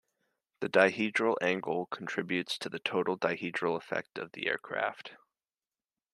The dihedral angle contributes to the total dihedral effect of the aircraft.